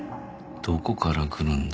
どこから来るんだ？